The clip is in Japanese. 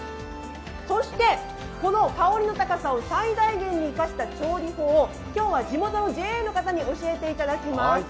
そして、この香りの高さを最大限に生かした調理法を今日は地元のＪＡの方に教えていただきます。